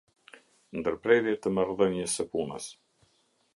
Ndërprerje të marrëdhënies së punës.